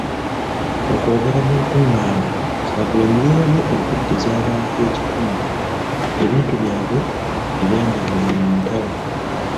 Mu kwogera mu lukung'aana, Kyagulanyi yeeyamye okuddiza abantu b'ekitundu ebintu byabwe ebyanyagibwa mu ntalo.